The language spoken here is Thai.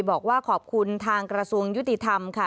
บอกว่าขอบคุณทางกระทรวงยุติธรรมค่ะ